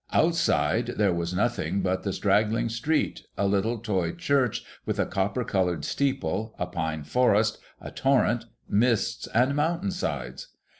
Outside there was nothing but the straggling street, a little toy church with a copper coloured steeple, a pine forest, a torrent, mists, and mountain sides.